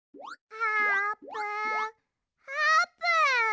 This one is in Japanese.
あーぷん！